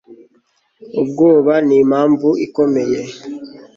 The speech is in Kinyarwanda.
Ubwoba nimpamvu ikomeye